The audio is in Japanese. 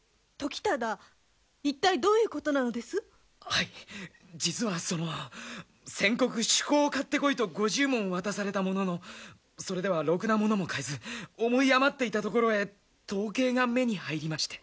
はい実はその先刻酒こうを買ってこいと５０文渡されたもののそれではろくなものも買えず思い余っていたところへ闘鶏が目に入りまして。